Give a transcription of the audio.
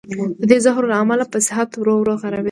د دې زهرو له امله به صحت ورو ورو خرابېده.